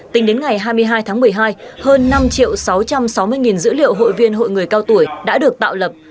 tính đến ngày hai mươi hai tháng một mươi hai hơn năm sáu trăm sáu mươi dữ liệu hội viên hội người cao tuổi đã được tạo lập